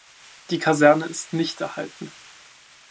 Die Kaserne ist nicht erhalten.